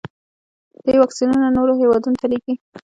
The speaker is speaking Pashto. دوی واکسینونه نورو هیوادونو ته لیږي.